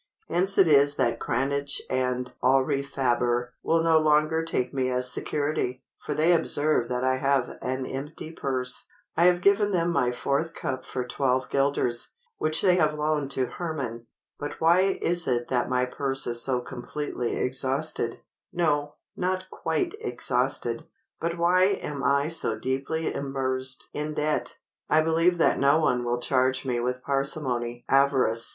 Hence it is that Cranach and Aurifaber will no longer take me as security, for they observe that I have an empty purse. I have given them my fourth cup for 12 guilders, which they have loaned to Herrman. But why is it that my purse is so completely exhausted—no, not quite exhausted; but why am I so deeply immersed in debt? I believe that no one will charge me with parsimony, avarice," &c.